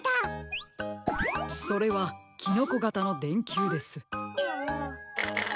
それはキノコがたのでんきゅうです。